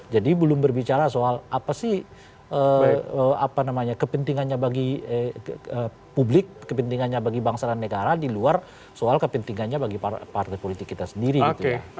jadi belum berbicara soal apa sih kepentingannya bagi publik kepentingannya bagi bangsa dan negara di luar soal kepentingannya bagi partai politik kita sendiri gitu ya